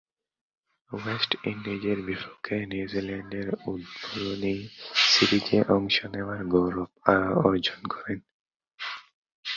West ইন্ডিজের বিপক্ষে নিউজিল্যান্ডের উদ্বোধনী সিরিজে অংশ নেয়ার গৌরব অর্জন করেন।